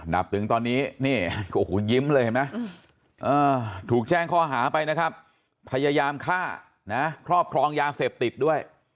นับถึงตอนนี้นี่โอ้โหยิ้มเลยเห็นไหมถูกแจ้งข้อหาไปนะครับพยายามฆ่านะครอบครองยาเสพติดด้วย